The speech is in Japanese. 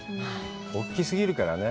大き過ぎるからね。